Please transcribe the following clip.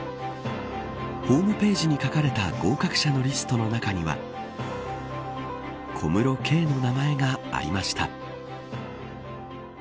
ホームページに書かれた合格者のリストの中にはＫＯＭＵＲＯ，ＫＥＩの名前がありました。